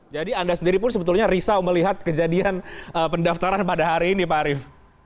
jadi anda sendiri pun sebetulnya risau melihat kejadian pendaftaran pada hari ini pak arief